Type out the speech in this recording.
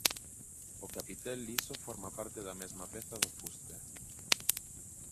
O capitel liso forma parte da mesma peza do fuste.